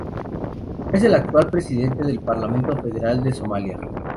Es el actual presidente del Parlamento Federal de Somalia.